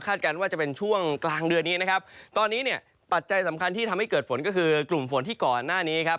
การว่าจะเป็นช่วงกลางเดือนนี้นะครับตอนนี้เนี่ยปัจจัยสำคัญที่ทำให้เกิดฝนก็คือกลุ่มฝนที่ก่อนหน้านี้ครับ